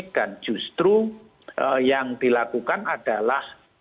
dan justru yang dilakukan adalah